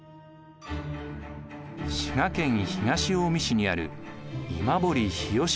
滋賀県東近江市にある今堀日吉神社。